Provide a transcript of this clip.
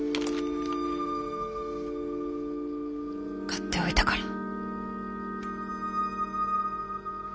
買っておいたから。来た。